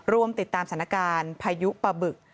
ร่วมติดตามสถานการณ์พายุปะบึก